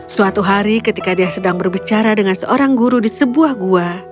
suatu hari ketika dia sedang berbicara dengan seorang guru di sebuah gua